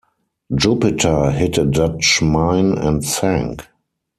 "Jupiter" hit a Dutch mine and sank.